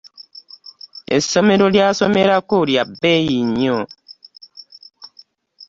Essomero lya somerako lya bbeeyi nnyo.